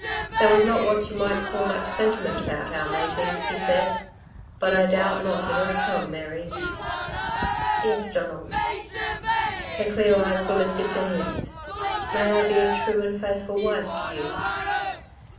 "There was not what you might call much sentiment about our mating," he said. "But I doubt not it has come, Mary." "Yes, Donald." Her clear eyes were lifted to his. "May I be a true and faithful wife to you."